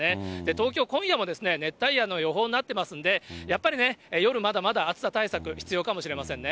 東京、今夜も熱帯夜の予報になっていますんで、やっぱりね、夜まだまだ暑さ対策、必要かもしれませんね。